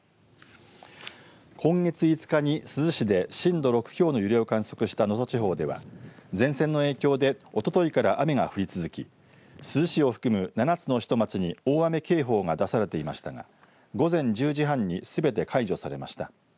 今月５日に珠洲市で震度６強の揺れを観測した能登地方では前線の影響でおとといから雨が降り続き珠洲市を含む７つの市と町に大雨警報が出されていましたが午前１０時半にすべて解除されました。